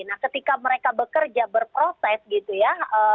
nah ketika mereka bekerja berproses gitu ya